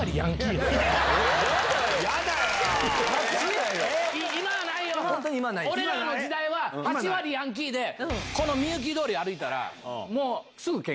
俺らの時代は８割ヤンキーでみゆき通り歩いたら。